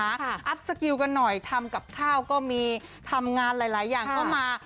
อัพสกิลกันหน่อยทำกับข้าวก็มีทำงานหลายอย่างก็มา